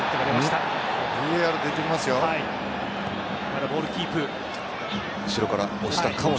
ただ、ボールキープ。